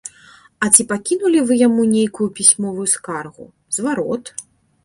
А ці пакінулі вы яму нейкую пісьмовую скаргу, зварот?